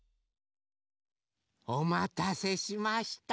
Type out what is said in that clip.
おまたせしました。